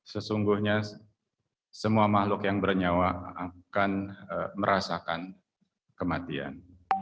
sesungguhnya semua makhluk yang bernyawa akan merasakan kematian